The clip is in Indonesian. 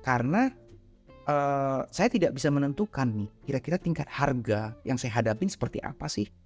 karena saya tidak bisa menentukan nih kira kira tingkat harga yang saya hadapi seperti apa sih